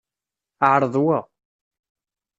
Ԑreḍ wa.